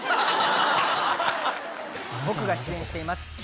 僕が出演しています